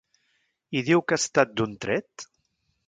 I diu que ha estat d'un tret?